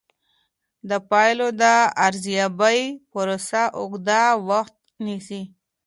د پایلو د ارزیابۍ پروسه اوږده وخت نیسي.